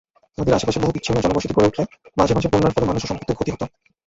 নদীর আশেপাশে বহু বিচ্ছিন্ন জনবসতি গড়ে উঠলে মাঝে মাঝে বন্যার ফলে মানুষ ও সম্পত্তির ক্ষতি হত।